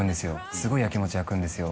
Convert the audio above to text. すごいヤキモチ焼くんですよ